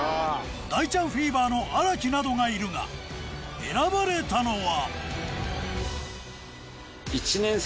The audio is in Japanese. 大ちゃんフィーバーの荒木などがいるが選ばれたのは。